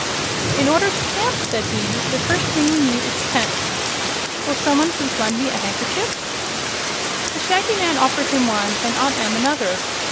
"In order to camp," said he, "the first thing we need is tents. Will some one please lend me a handkerchief?" The Shaggy Man offered him one, and Aunt Em another.